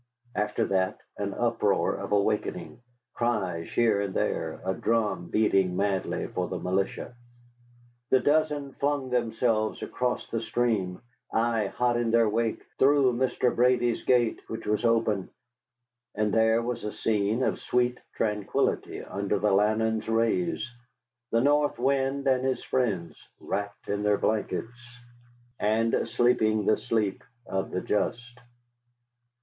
After that an uproar of awakening, cries here and there, a drum beating madly for the militia. The dozen flung themselves across the stream, I hot in their wake, through Mr. Brady's gate, which was open; and there was a scene of sweet tranquillity under the lantern's rays, the North Wind and his friends wrapped in their blankets and sleeping the sleep of the just.